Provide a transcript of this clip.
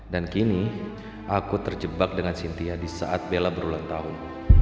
dan kini aku terjebak dengan cynthia di saat bella berulang tahun